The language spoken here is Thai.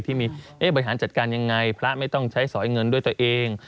ที่มีบริหารจัดการยังไงพระไม่ต้องใช้สอยเงินด้วยตัวเอง